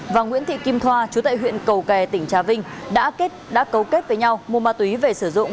và nguyễn thị kim thoa chú tại huyện cầu kè tỉnh trà vinh đã cấu kết với nhau mua ma túy về sử dụng